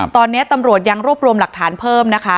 ตอนนี้ตำรวจยังรวบรวมหลักฐานเพิ่มนะคะ